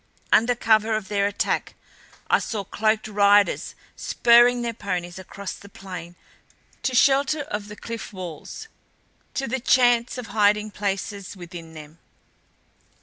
Under cover of their attack I saw cloaked riders spurring their ponies across the plain to shelter of the cliff walls, to the chance of hiding places within them.